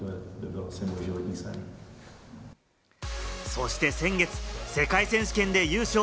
そして先月、世界選手権で優勝。